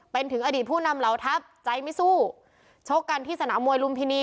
เป็นถึงอดีตผู้นำเหล่าทัพใจไม่สู้ชกกันที่สนามมวยลุมพินี